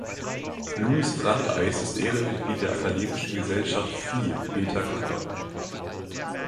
Louis Brandeis ist Ehrenmitglied der akademischen Gesellschaft Phi Beta Kappa.